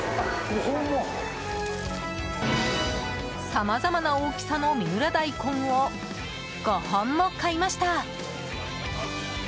さまざまな大きさの三浦大根を５本も買いました。